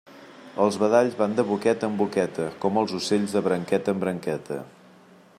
Els badalls van de boqueta en boqueta, com els ocells de branqueta en branqueta.